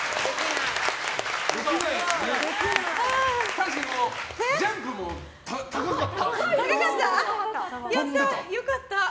確かにジャンプも高かった。